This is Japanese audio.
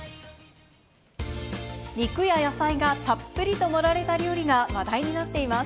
肉や野菜がたっぷりと盛られた料理が話題になっています。